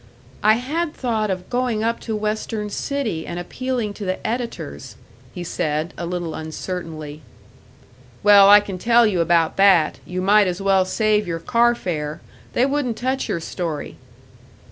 "I had thought of going up to Western City and appealing to the editors," he said, a little uncertainly. "Well, I can tell you about that you might as well save your car fare. They wouldn't touch your story."